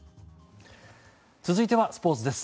続いてはスポーツです。